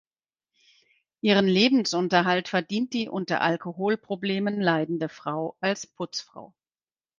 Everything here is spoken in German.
Ihren Lebensunterhalt verdient die unter Alkoholproblemen leidende Frau als Putzfrau.